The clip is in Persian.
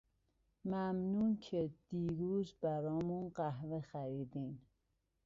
ممنون که دیروز برامون قهوه خریدین.